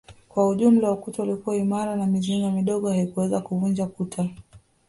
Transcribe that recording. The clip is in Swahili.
Kwa jumla ukuta ulikuwa imara na mizinga midogo haikuweza kuvunja kuta